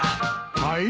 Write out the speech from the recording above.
はい？